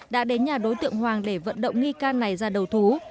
đã đến nhà đối tượng hoàng để vận động nghi can này ra đầu thú